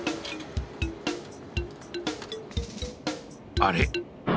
あれ？